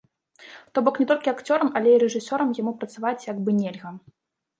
То бок, не толькі акцёрам, але і рэжысёрам яму працаваць як бы нельга.